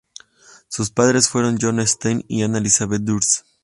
Sus padres fueron John Stein y Anna Elizabeth Durst.